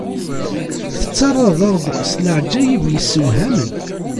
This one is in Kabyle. Tettarraḍ-aɣ-d s leɛǧayeb yessewhamen.